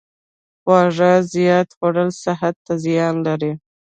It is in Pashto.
خواږه زیات خوړل صحت ته زیان لري.